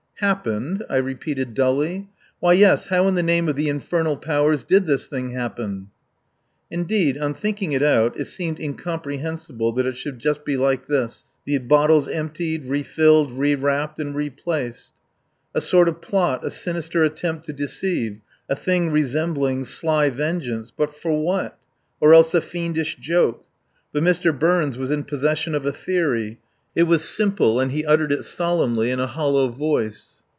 "Happened?" I repeated dully. "Why, yes, how in the name of the infernal powers did this thing happen?" Indeed, on thinking it out, it seemed incomprehensible that it should just be like this: the bottles emptied, refilled, rewrapped, and replaced. A sort of plot, a sinister attempt to deceive, a thing resembling sly vengeance, but for what? Or else a fiendish joke. But Mr. Burns was in possession of a theory. It was simple, and he uttered it solemnly in a hollow voice.